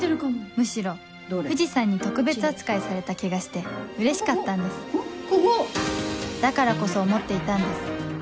むしろ藤さんに特別扱いされた気がしてうれしかったんですだからこそ思っていたんです